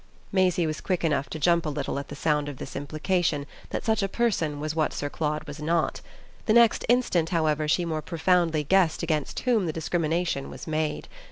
Maisie was quick enough to jump a little at the sound of this implication that such a person was what Sir Claude was not; the next instant, however, she more profoundly guessed against whom the discrimination was made.